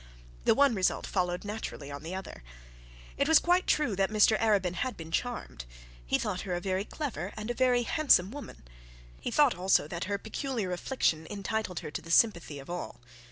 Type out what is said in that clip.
The one result followed naturally on the other. It was quite true that Mr Arabin had been charmed. He thought her a very clever and a very handsome woman; he thought also that her peculiar afflictions entitled her to the sympathy of all.